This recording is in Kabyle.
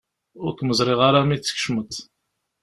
Ur kem-ẓriɣ ara mi d-tkecmeḍ.